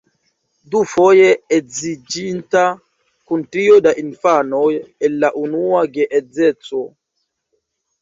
Dufoje edziĝinta, kun trio da infanoj el la unua geedzeco.